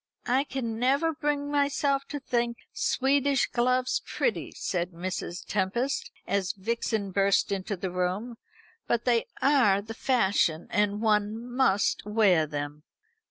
"I can never bring myself to think Swedish gloves pretty," said Mrs. Tempest, as Vixen burst into the room, "but they are the fashion, and one must wear them."